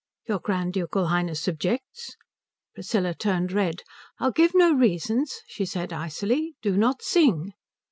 "Your Grand Ducal Highness objects?" Priscilla turned red. "I'll give no reasons," she said icily. "Do not sing."